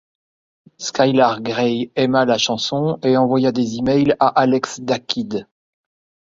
Skylar Grey aima la chanson et envoya des e-mails à Alex da Kid.